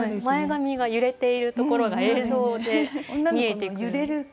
前髪が揺れているところが映像で見えてくる。